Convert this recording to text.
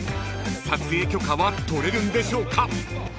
［撮影許可は取れるんでしょうか？］